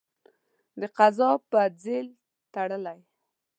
د قضا په ځېل تړلی.